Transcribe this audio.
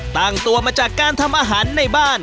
ตั้งตัวมาจากการทำอาหารในบ้าน